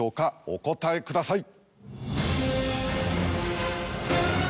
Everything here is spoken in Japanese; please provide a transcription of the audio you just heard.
お答えください。